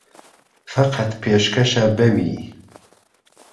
فهقهت پێشکهشه به وی